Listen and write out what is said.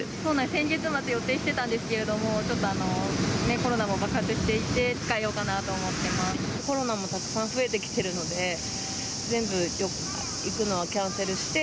先月末、予定してたんですけど、ちょっとコロナも爆発していて、控えようコロナもたくさん増えてきているので、全部行くのをキャンセルして。